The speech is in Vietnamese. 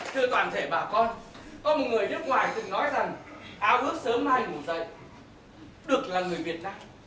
thưa toàn thể bà con có một người nước ngoài từng nói rằng áo ước sớm mai ngủ dậy được là người việt nam